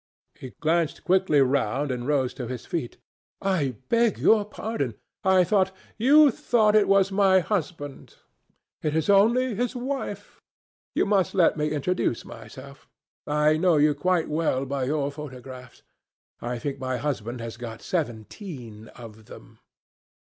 He glanced quickly round and rose to his feet. "I beg your pardon. I thought—" "You thought it was my husband. It is only his wife. You must let me introduce myself. I know you quite well by your photographs. I think my husband has got seventeen of them."